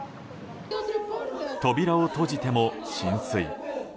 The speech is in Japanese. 扉を閉じても浸水。